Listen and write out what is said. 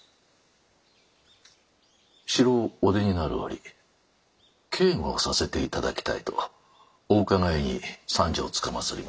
城をお出になる折警護をさせていただきたいとお伺いに参上つかまつりました。